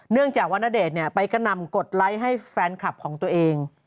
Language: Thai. เนื่องจากว่าณเดชน์ไปกระหน่ำกดไลค์ให้แฟนคลับของตัวเอง